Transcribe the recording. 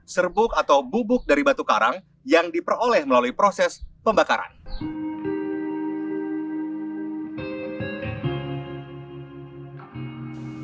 serbuk atau bubuk dari batu karang yang diperoleh melalui proses pembakaran